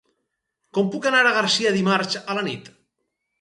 Com puc anar a Garcia dimarts a la nit?